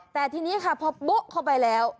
แต่ทีนี้ค่ะพอโบ๊ะเข้าไปแล้ว